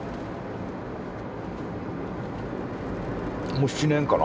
もう７年かな？